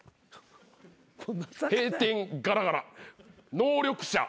閉店ガラガラ能力者。